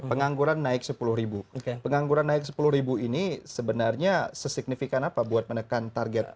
pengangguran naik sepuluh ribu oke pengangguran naik sepuluh ini sebenarnya sesignifikan apa buat menekan target